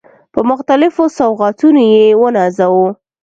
په مختلفو سوغاتونو يې ونازاوه.